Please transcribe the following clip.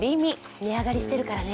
値上がりしているからね。